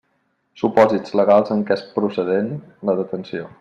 Supòsits legals en què és procedent la detenció.